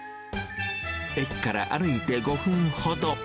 駅から歩いて５分ほど。